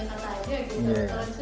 untuk membagi waktu sebenernya gak ada